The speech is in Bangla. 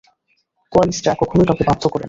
কোয়ালিস্টরা কখনোই কাউকে বাধ্য করে না।